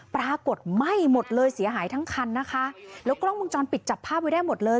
ปรากฏไหม้หมดเลยเสียหายทั้งคันนะคะแล้วกล้องมุมจรปิดจับภาพไว้ได้หมดเลย